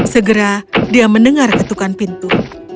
segera dia mendengar ketukan pintu